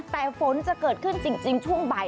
แต่ฝนจะเกิดขึ้นจริงช่วงบ่าย